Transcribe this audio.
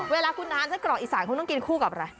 เวลาคุณทานไส้กรอกอีสานคุณต้องกินคู่กับอะไร